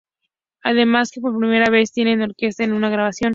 Además que por primera vez tienen orquesta en una grabación.